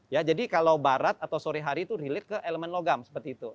ya jadi kalau barat atau sore hari itu relate ke elemen logam seperti itu